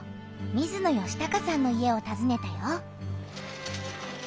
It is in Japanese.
水野嘉孝さんの家をたずねたよ。